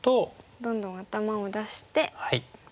どんどん頭を出して。